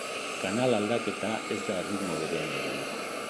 Kanal aldaketa ez da erritmo berean egingo.